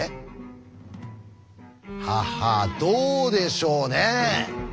ははどうでしょうね。